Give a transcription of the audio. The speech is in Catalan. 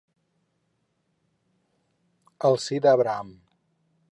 El si d'Abraham.